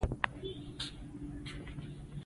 دا درې اصله د ژوند لارښود جوړوي.